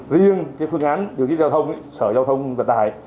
riêng cái phương án điều trị giao thông sở giao thông vật tài